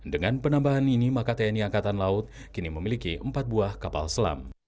dengan penambahan ini maka tni angkatan laut kini memiliki empat buah kapal selam